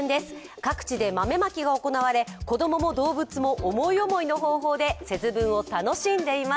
各地で豆まきが行われ、子供も動物も思い思いの方法で節分を楽しんでいます。